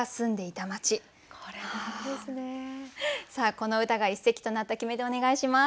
この歌が一席となった決め手お願いします。